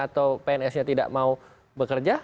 atau pns nya tidak mau bekerja